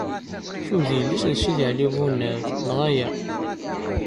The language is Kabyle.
Kem d yelli-s n Sidi Ɛli Bunab, neɣ ala?